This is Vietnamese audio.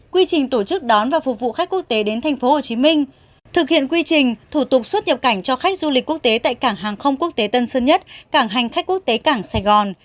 quy trình tổ chức đón và phục vụ khách quốc tế đến tp hcm thực hiện quy trình thủ tục xuất nhập cảnh cho khách du lịch quốc tế tại cảng hàng không quốc tế tân sơn nhất cảng hành khách quốc tế cảng sài gòn